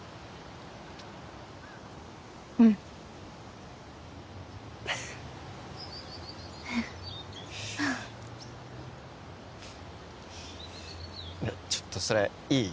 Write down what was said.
うんちょっとそれいい？